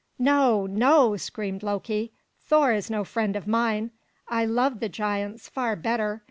"No, no!" screamed Loki. "Thor is no friend of mine. I love the giants far better!